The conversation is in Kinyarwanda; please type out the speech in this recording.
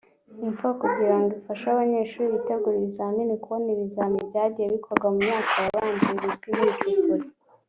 Info kugira ngo afashe abanyeshuri bitegura ibizamini kubona ibizamini byagiye bikorwa mu myaka yabanje bizwi nk’ ibicupuri